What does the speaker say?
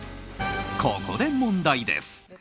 ここで問題です。